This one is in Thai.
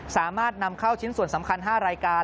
สามารถนำเข้าชิ้นส่วนสำคัญ๕รายการ